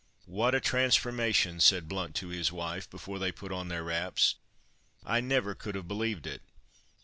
"What a transformation!" said Blount to his wife, before they put on their wraps. "I never could have believed it.